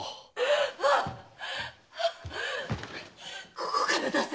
ここから出せ！